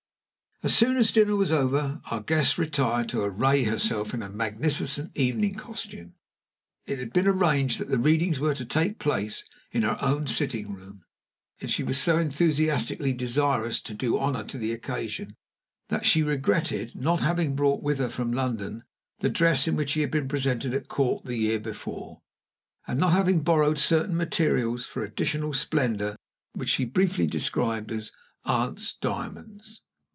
As soon as dinner was over our guest retired to array herself in magnificent evening costume. It had been arranged that the readings were to take place in her own sitting room; and she was so enthusiastically desirous to do honor to the occasion, that she regretted not having brought with her from London the dress in which she had been presented at court the year before, and not having borrowed certain materials for additional splendor which she briefly described as "aunt's diamonds."